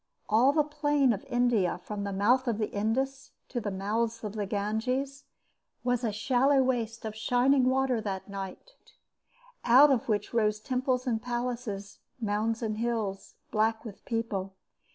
All the plain of India from the mouth of the Indus to the mouths of the Ganges was a shallow waste of shining water that night, out of which rose temples and palaces, mounds and hills, black with people.